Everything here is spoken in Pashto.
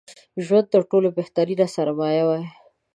ژوند تر ټولو بهترينه سرمايه وای